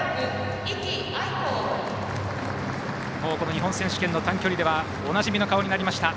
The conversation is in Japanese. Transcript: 日本選手権の短距離ではおなじみの顔になりました。